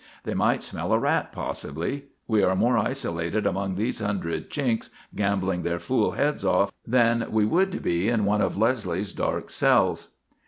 They might smell a rat, possibly. We are more isolated among these hundred Chinks, gambling their fool heads off, than we would be in one of Leslie's dark cells."